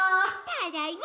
ただいま！